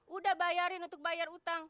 udah bayarin untuk bayar utang